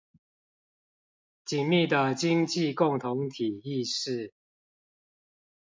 緊密的經濟共同體意識